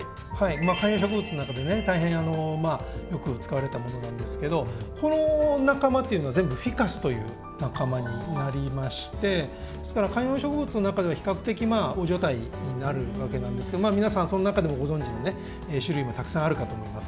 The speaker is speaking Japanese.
観葉植物の中でね大変よく使われたものなんですけどこの仲間というのは全部フィカスという仲間になりまして観葉植物の中では比較的大所帯になるわけなんですけど皆さんその中でもご存じの種類もたくさんあるかと思います。